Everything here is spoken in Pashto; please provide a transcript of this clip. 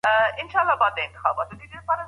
باید د ښار او کلي ترمنځ توازن وي.